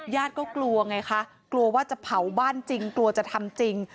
ก็กลัวไงคะกลัวว่าจะเผาบ้านจริงกลัวจะทำจริง